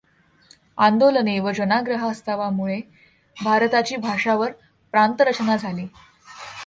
आंदोलने व जनाग्रहास्तवामुळे भारताची भाषावार प्रांतरचना झाली.